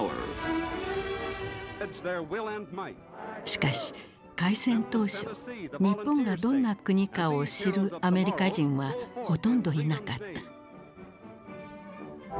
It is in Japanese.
しかし開戦当初日本がどんな国かを知るアメリカ人はほとんどいなかった。